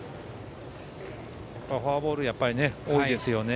フォアボールが多いですね